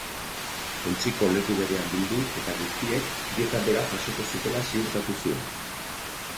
Ontziko leku berean bildu, eta guztiek dieta bera jasoko zutela ziurtatu zuen.